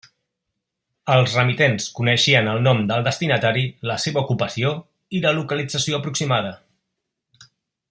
Els remitents coneixien el nom del destinatari, la seva ocupació i la localització aproximada.